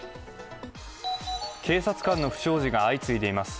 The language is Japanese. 警察官の不祥事が相次いでいます。